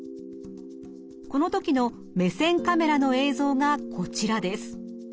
このときの目線カメラの映像がこちらです。